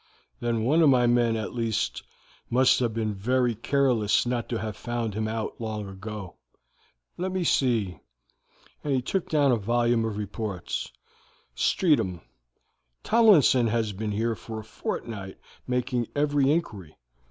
"Then one of my men, at least, must have been very careless not to have found him out long ago. Let me see;" and he took down a volume of reports. "Streatham. Tomlinson has been here a fortnight making every inquiry.